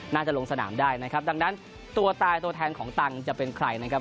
ลงสนามได้นะครับดังนั้นตัวตายตัวแทนของตังค์จะเป็นใครนะครับ